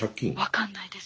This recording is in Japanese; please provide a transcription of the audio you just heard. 分かんないです。